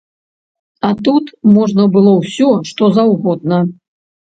А тут можна было ўсё, што заўгодна.